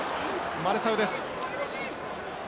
マレサウです。